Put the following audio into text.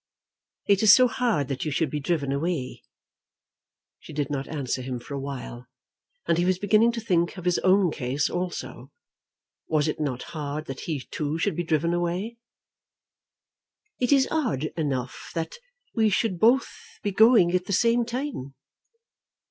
"It is so hard that you should be driven away." She did not answer him for a while, and he was beginning to think of his own case also. Was it not hard that he too should be driven away? "It is odd enough that we should both be going at the same time."